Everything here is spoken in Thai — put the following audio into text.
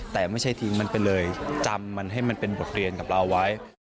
แต่ไม่ใช่ทิ้งมันไปเลยจำมันให้มันเป็นบทเรียนกับเราไว้